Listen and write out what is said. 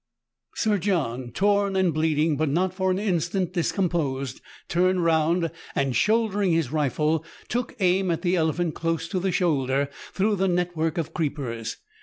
Sir John, torn and bleeding, but not for an instant dis composed, turned round, and shouldering his rifle, took aim at the elephant close to the shoulder, through the net work of creepers.